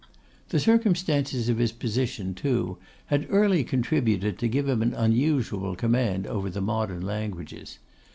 The circumstances of his position, too, had early contributed to give him an unusual command over the modern languages.